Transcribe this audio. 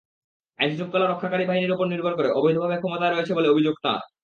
আইনশৃঙ্খলা রক্ষাকারী বাহিনীর ওপর নির্ভর করে অবৈধভাবে ক্ষমতায় রয়েছে বলে অভিযোগ তাঁর।